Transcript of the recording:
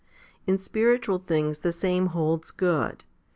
In spiritual things the same holds good.